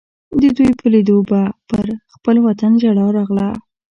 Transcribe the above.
د دوی په لیدو به پر خپل وطن ژړا راغله.